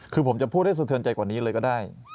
คือผมจะพูดให้สะเทือนใจกว่านี้เลยก็ได้